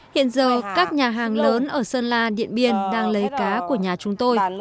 hiện giờ các nhà hàng lớn ở sơn la điện biên đang lấy cá của nhà chúng tôi